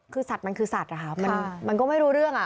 คือสัตว์มันคือสัตว์มันก็ไม่รู้เรื่อง